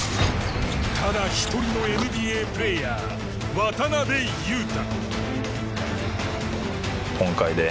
ただ１人のＮＢＡプレーヤー渡邊雄太。